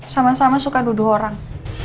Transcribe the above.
sama sama suka duduk orang